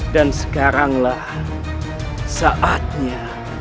dan sekaranglah saatnya